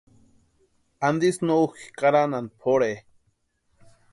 ¿Antisï no úkʼi karanhani pʼorhe?